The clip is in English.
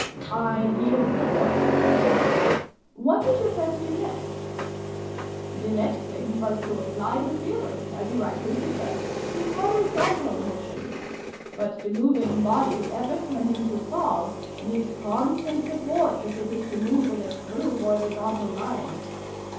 " I yield the point," I said. " What did your friend do next ?"" The next thing was to apply the theory, as you rightly suggest, to horizontal motion. But the moving body, ever tending to fall, needs constant support, if it is to move in a true horizontal line.